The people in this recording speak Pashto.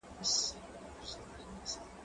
زه بوټونه نه پاکوم؟!